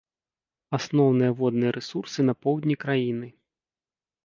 Асноўныя водныя рэсурсы на поўдні краіны.